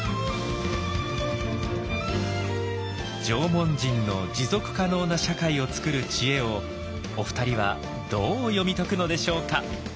縄文人の持続可能な社会を作る知恵をお二人はどう読み解くのでしょうか。